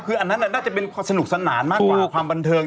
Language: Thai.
คืออันนั้นน่าจะเป็นความสนุกสนานมากกว่าความบันเทิง